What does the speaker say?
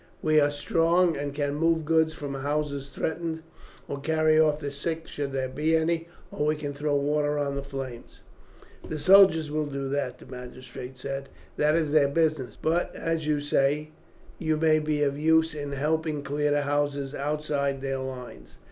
We are strong, and can move goods from houses threatened, or carry off the sick should there be any; or we can throw water on the flames." "The soldiers will do that," the magistrate said, "that is their business; but, as you say, you may be of use in helping clear the houses outside their lines.